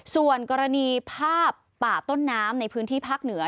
ส่วนกรณีภาพป่าต้นน้ำในพื้นที่ภาคเหนือ